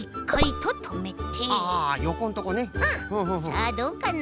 さあどうかな？